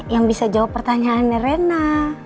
yang bisa jawab pertanyaannya rena